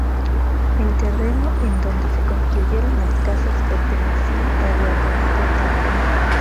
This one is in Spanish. El terreno en donde se construyeron las casas pertenecía a Eduardo Matta Tagle.